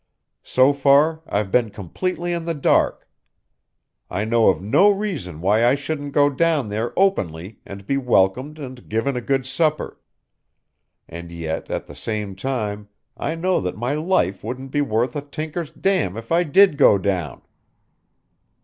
So far I've been completely in the dark. I know of no reason why I shouldn't go down there openly and be welcomed and given a good supper. And yet at the same time I know that my life wouldn't be worth a tinker's damn if I did go down.